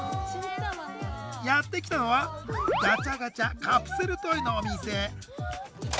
やって来たのはガチャガチャカプセルトイのお店！